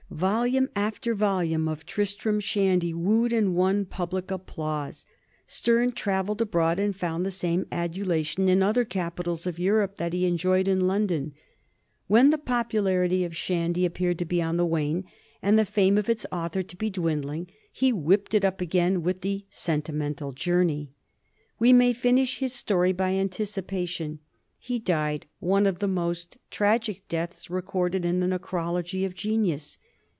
Vol ume after volume of " Tristram Shandy " wooed and won public applause. Sterne travelled abroad and found the same adulation in other capitals of Europe that he had enjoyed in London. When the popularity of " Shandy " 302 A BISTORT OF THE FOUR GEORGES. ch.zll appeared to be on the wdne, and the fame of its author to be dwindliDg, he whipped it up again with the " Senti mental Journey." We may finish his story by anticipa tion. He died one of the most tragic deaths recorded in the necrology of genius.